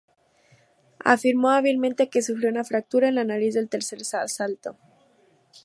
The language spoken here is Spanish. Afirmó hábilmente que sufrió una fractura en la nariz en el tercer asalto.